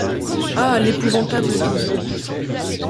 Ah! l’épouvantable vision !...